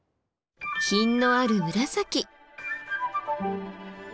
品のある紫。